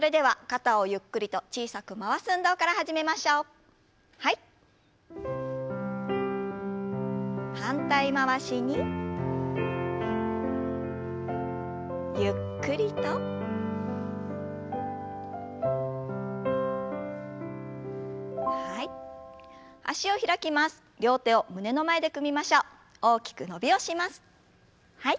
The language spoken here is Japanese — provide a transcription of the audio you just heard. はい。